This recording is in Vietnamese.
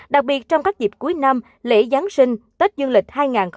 đặc biệt trong các dịp cuối năm lễ giáng sinh tết dương lịch hai nghìn hai mươi bốn